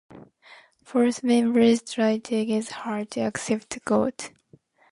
Force members try to get her to accept God.